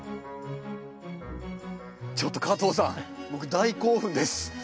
ちょっと加藤さん僕大興奮です。